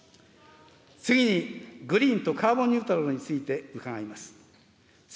次に、グリーンとカーボンニュートラルについて伺います。